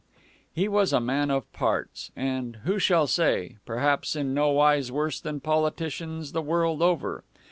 He was a man of parts, and who shall say? perhaps in no wise worse than politicians the world over.